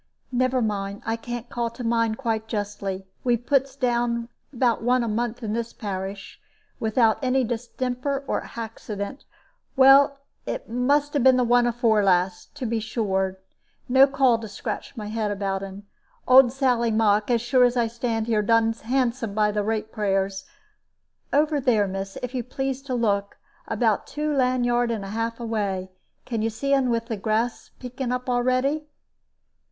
Never mind; I can't call to mind quite justly. We puts down about one a month in this parish, without any distemper or haxident. Well, it must 'a been the one afore last to be sure, no call to scratch my head about un. Old Sally Mock, as sure as I stand here done handsome by the rate payers. Over there, miss, if you please to look about two land yard and a half away. Can you see un with the grass peeking up a'ready?"